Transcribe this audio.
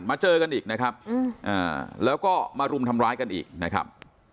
เจอกันอีกนะครับแล้วก็มารุมทำร้ายกันอีกนะครับ